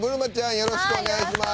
よろしくお願いします。